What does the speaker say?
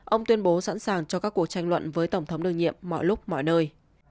ông tuyên bố sẵn sàng cho các cuộc tranh luận với tổng thống đương nhiệm mọi lúc mọi nơi